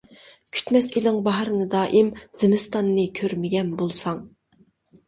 كۈتمەس ئىدىڭ باھارنى دائىم، زىمىستاننى كۆرمىگەن بولساڭ.